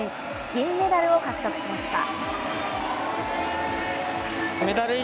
銀メダルを獲得しました。